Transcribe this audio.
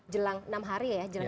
jelang enam hari ya